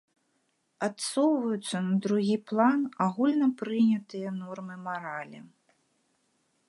Адсоўваюцца на другі план агульнапрынятыя нормы маралі.